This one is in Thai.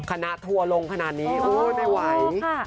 คณะทัวร์ลงขนาดนี้ไม่ไหว